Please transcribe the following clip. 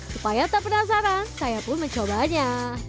supaya tak penasaran saya pun mencobanya